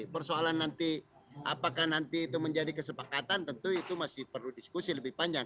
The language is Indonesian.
persoalan nanti apakah nanti itu menjadi kesepakatan tentu itu masih perlu diskusi lebih panjang